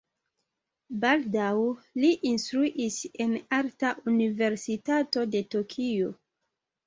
Baldaŭ li instruis en Arta Universitato de Tokio.